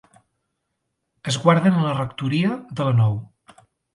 Es guarden a la Rectoria de la Nou.